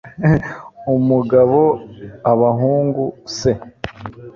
umugabo, abahungu, se